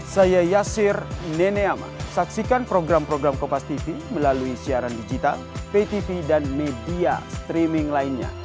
saya yasyir neneyaman saksikan program program kompastv melalui siaran digital ptv dan media streaming lainnya